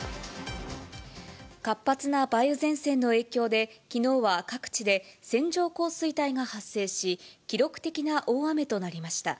活発な梅雨前線の影響で、きのうは各地で線状降水帯が発生し、記録的な大雨となりました。